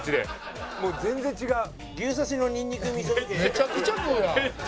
めちゃくちゃ食うやん。